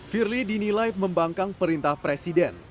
firly dinilai membangkang perintah presiden